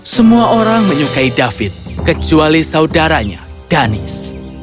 semua orang menyukai david kecuali saudaranya danis